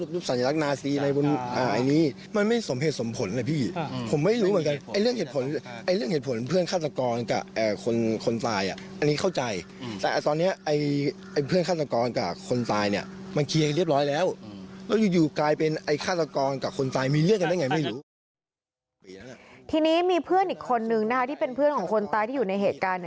ทีนี้มีเพื่อนอีกคนนึงนะคะที่เป็นเพื่อนของคนตายที่อยู่ในเหตุการณ์